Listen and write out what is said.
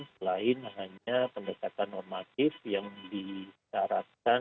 selain hanya pendekatan normatif yang disyaratkan